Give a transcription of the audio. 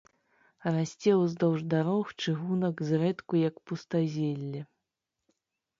Расце ўздоўж дарог, чыгунак, зрэдку як пустазелле.